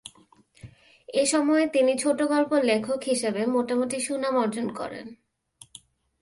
এ সময়ে তিনি ছোটগল্প লেখক হিসেবে মোটামুটি সুনাম অর্জন করেন।